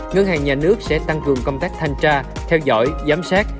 ngân hàng nhà nước sẽ tăng cường công tác thanh tra theo dõi giám sát